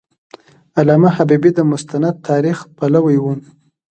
علامه حبیبي د مستند تاریخ پلوی و.